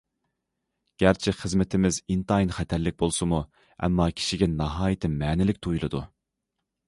گەرچە خىزمىتىمىز ئىنتايىن خەتەرلىك بولسىمۇ، ئەمما كىشىگە ناھايىتى مەنىلىك تۇيۇلىدۇ.